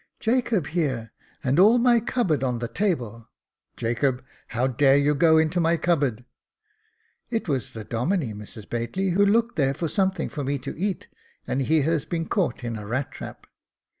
" Jacob here, and all my cupboard on the table. Jacob, how dare you go to my cupboard ?"" It was the Domine, Mrs Bately, who looked there for something for me to eat, and he has been caught in a rat trap."